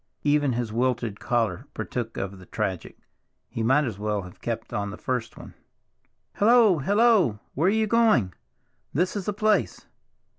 Even his wilted collar partook of the tragic; he might as well have kept on the first one. "Hello! Hello! Where are you going? This is the place."